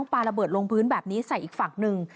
ปลาระเบิดลงพื้นแบบนี้ใส่อีกฝั่งหนึ่ง